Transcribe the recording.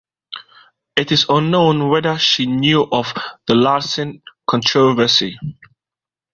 It is unknown whether she knew of the Larsen controversy.